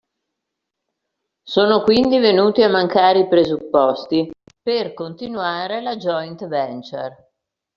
Sono quindi venuti a mancare i presupposti per continuare la joint venture.